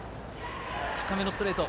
高めのストレート